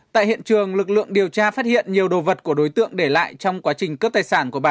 tại hiện trường lực lượng điều tra phát hiện nhiều đồ vật của đối tượng để lại trong quá trình cướp tài sản của bà